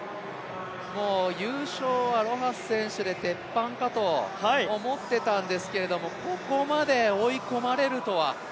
もう優勝はロハス選手でテッパンかと思ってたんですけどここまで追い込まれるとは。